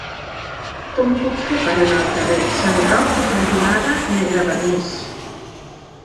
Com ho puc fer per anar al carrer Sant Roc cantonada Negrevernís?